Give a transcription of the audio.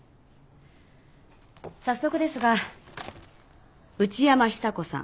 早速ですが内山久子さん。